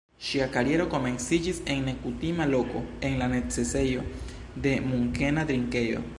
Ŝia kariero komenciĝis en nekutima loko: en la necesejo de Munkena drinkejo.